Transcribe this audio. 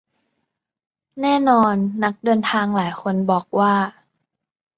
แน่นอนนักเดินทางหลายคนบอกว่า